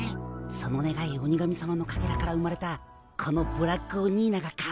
そのねがい鬼神さまのかけらから生まれたこのブラックオニーナがかなえてやる。